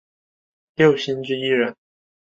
六星之一人。